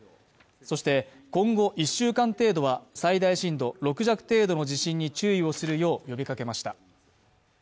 そして、今後１週間程度は最大震度６弱程度の地震に注意をするよう呼びかけました。